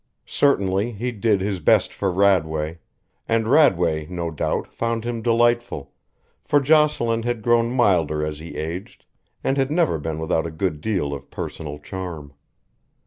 Certainly he did his best for Radway, and Radway, no doubt, found him delightful, for Jocelyn had grown milder as he aged and had never been without a good deal of personal charm.